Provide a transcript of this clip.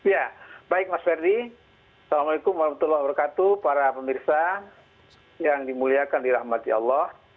ya baik mas ferdi assalamualaikum warahmatullahi wabarakatuh para pemirsa yang dimuliakan dirahmati allah